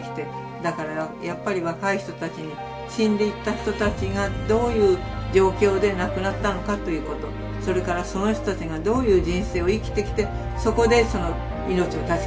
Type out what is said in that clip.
だからやっぱり若い人たちに死んでいった人たちがどういう状況で亡くなったのかということそれからその人たちがどういう人生を生きてきてそこで命を断ち切られたかということを。